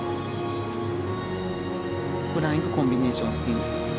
フライングコンビネーションスピン。